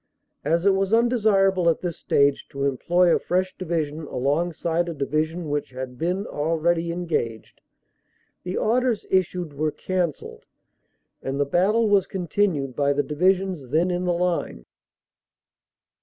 As it was undesirable at this stage to employ a fresh Division alongside a Division which had been already engaged, the orders issued were cancelled and the battle was continued by the Divisions then in the line."